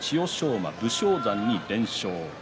馬武将山に連勝。